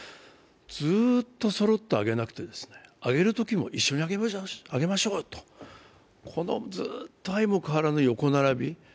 ずーっとそろって上げなくて、上げるときも一緒に上げましょうと、このずっと相も変わらぬ横並び